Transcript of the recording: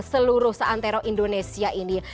seluruh seantero indonesia ini